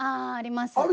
あああります。